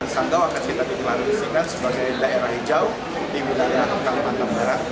sanggau akan kita dilanjutkan sebagai daerah hijau di bupati sanggau dan di bupati kalimantan barat